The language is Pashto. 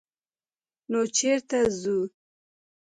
_نو چېرته ځو؟